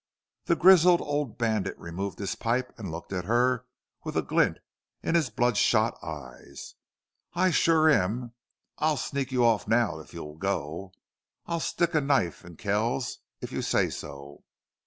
The grizzled old bandit removed his pipe and looked at her with a glint in his bloodshot eyes, "I shore am. I'll sneak you off now if you'll go. I'll stick a knife in Kells if you say so."